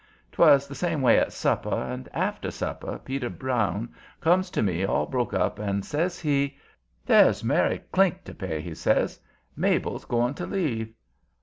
'Twas the same way at supper, and after supper Peter Brown comes to me, all broke up, and says he: "There's merry clink to pay," he says. "Mabel's going to leave."